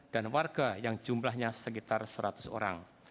dan warga yang jumlahnya sekitar seratus orang